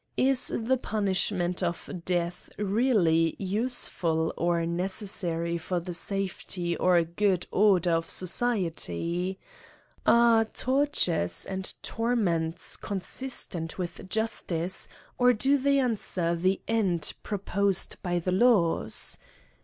Is the punishment of death really use fid^ or necessary fo^ the safety or good order of society ? Are tortures and torments consistent with justice^ or do they answer the end proposed by the laws